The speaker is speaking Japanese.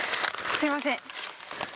すみません。